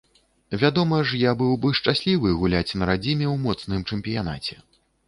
Вядома ж, я быў бы шчаслівы гуляць на радзіме, у моцным чэмпіянаце.